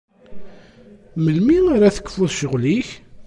Melmi ara tekfuḍ cceɣl-ik?